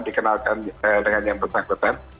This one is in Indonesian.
dikenalkan dengan yang bersangkutan